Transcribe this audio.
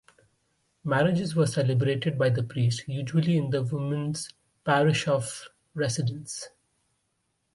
Marriages were celebrated by the priest, usually in the woman's parish of residence.